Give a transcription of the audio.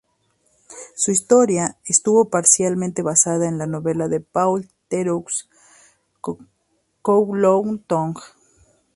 Su historia estuvo parcialmente basada en la novela de Paul Theroux "Kowloon Tong".